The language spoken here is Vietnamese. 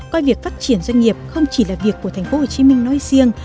coi việc phát triển doanh nghiệp không chỉ là việc của tp hcm nói riêng